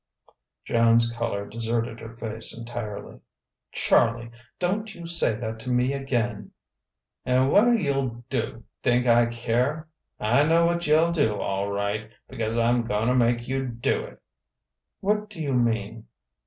Joan's colour deserted her face entirely. "Charlie! don't you say that to me again." "And what'll you do? Think I care? I know what you'll do, all right, because I'm going make you do it." "What do you mean?"